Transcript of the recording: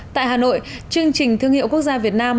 tại hà nội chương trình thương hiệu quốc gia việt nam